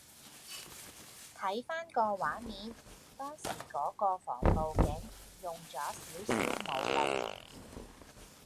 睇返個畫面當時嗰位防暴警用咗少少武力